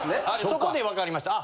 そこでわかりました。